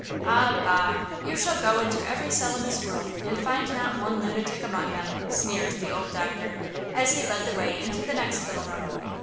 Ah, bah! you shall go into every cell in this ward and find not one lunatic among them," sneered the old doctor, as he led the way into the next little room.